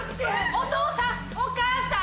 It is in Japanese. お父さんお母さん！